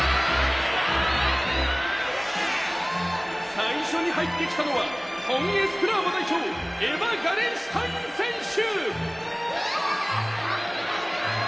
最初に入ってきたのはフォン・エスクラーボ代表エヴァ・ガレンシュタイン選手！